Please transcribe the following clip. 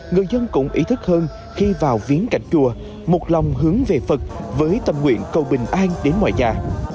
người dân cũng ý thức hơn khi vào viếng cảnh chùa một lòng hướng về phật với tâm nguyện cầu bình an đến mọi nhà